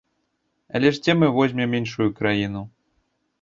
Але ж дзе мы возьмем іншую краіну?